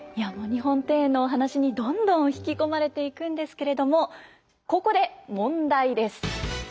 日本庭園のお話にどんどん引き込まれていくんですけれどもここで問題です。